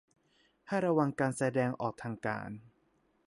ให้ระวังการแสดงออกทางการ